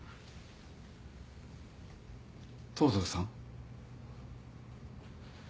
東堂さん？